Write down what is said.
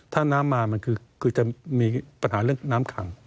ถ้าน้ำมามันคือจะมีปัญหาเรื่องน้ำขัง